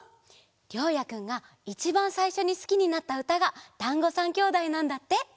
りょうやくんがいちばんさいしょにすきになったうたが「だんご３兄弟」なんだって！